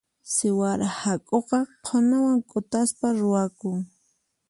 Siwara hak'uqa qhunawan kutaspa ruwakun.